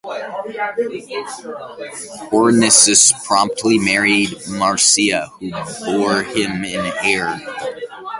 Hortensius promptly married Marcia, who bore him an heir.